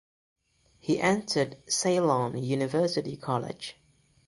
He entered Ceylon University College.